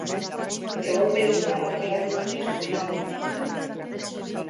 Egun berezia aukeratu dute omenaldirako.